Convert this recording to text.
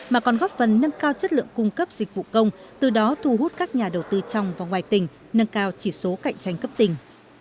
mà còn góp phần nâng cao chất lượng cung cấp dịch vụ công từ đó thu hút các nhà đầu tư trong và ngoài tỉnh nâng cao chỉ số cạnh tranh cấp tình